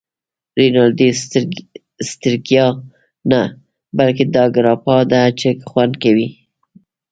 رینالډي: سټریګا نه، بلکې دا ګراپا ده چې خوند کوی.